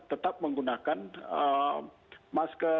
tetap menggunakan masker